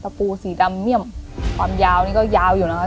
ปูสีดำเมี่ยมความยาวนี่ก็ยาวอยู่นะคะ